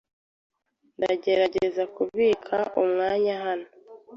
Ndagerageza kubika umwanya hano.